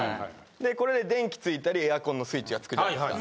でこれで電気ついたりエアコンのスイッチがつくじゃないですか。